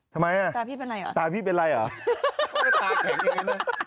ตาพี่เป็นอะไรอ่ะ